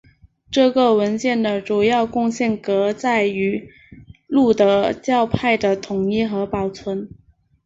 这个文件的主要贡献革在于路德教派的统一和保存。